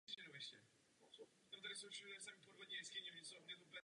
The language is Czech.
Již tehdy byl zdejší kostel farním.